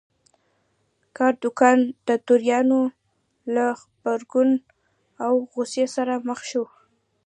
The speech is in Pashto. کادوګان د توریانو له غبرګون او غوسې سره مخ شو.